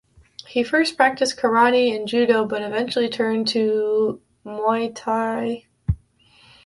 He first practiced karate and judo but eventually turned to Muay Thai.